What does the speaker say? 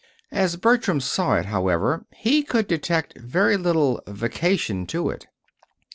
As Bertram saw it, however, he could detect very little "vacation" to it.